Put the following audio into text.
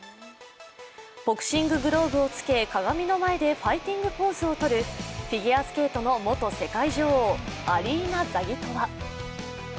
ボクシンググローブをつけ鏡の前でファイティングポーズをとるフィギュアスケートの元世界女王アリーナ・ザギトワ。